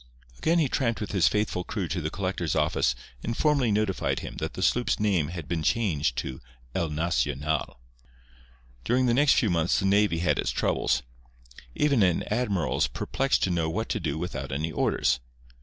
Again he tramped with his faithful crew to the collector's office and formally notified him that the sloop's name had been changed to El Nacional. During the next few months the navy had its troubles. Even an admiral is perplexed to know what to do without any orders.